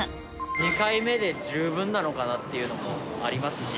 ２回目で十分なのかなっていうのもありますし。